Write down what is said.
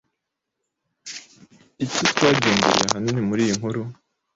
Icyo twagendereye ahanini muri iyi nkuru